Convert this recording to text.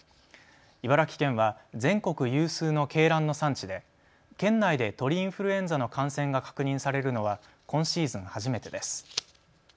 茨城県は全国有数の鶏卵の産地で県内で鳥インフルエンザの感染が確認されるのは今シーズン初めてです。